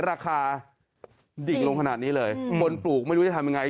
ราคาดิ่งลงขนาดนี้เลยคนปลูกไม่รู้จะทำยังไง